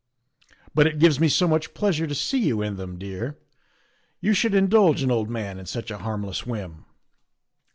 " But it gives me so much pleasure to see you in them, dear. You should indulge an old man in such a harmless whim."